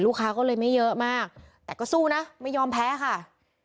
ก็เลยไม่เยอะมากแต่ก็สู้นะไม่ยอมแพ้ค่ะ